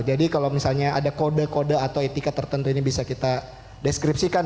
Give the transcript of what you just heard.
jadi kalau misalnya ada kode kode atau etika tertentu ini bisa kita deskripsikan